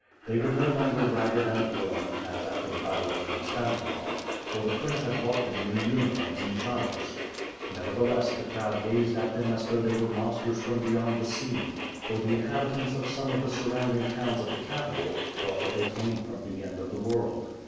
They were no longer ragged and worn, as after the battle of Konstantinov, for the ^prince had bought them new uniforms in Zamost. Neveri; heles8, the crowd gazed at them as though they were monsters from beyond the sea; for the inhabitants of some of the surrounding towns of the capital, thought that they came from the end of the worid.